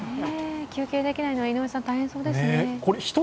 休憩できないのは大変そうですね。